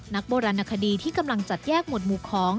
นักโบราณคดีที่กำลังจัดแยกหมวดหมู่ของ